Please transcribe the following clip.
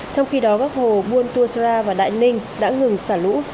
trong khi đó các hồ buôn tua sra và đại ninh đã ngừng xả lũ